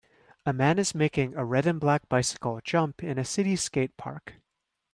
a man is making a red and black bicycle jump in a city skate park.